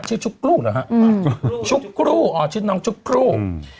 ชื่อชุกรูหรือฮะชุกรูชื่อน้องชุกรู